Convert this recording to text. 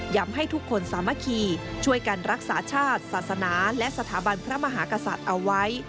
ให้ทุกคนสามัคคีช่วยกันรักษาชาติศาสนาและสถาบันพระมหากษัตริย์เอาไว้